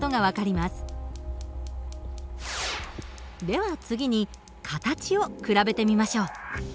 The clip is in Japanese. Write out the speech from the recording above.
では次に形を比べてみましょう。